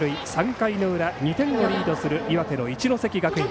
３回の裏２点をリードする岩手の一関学院。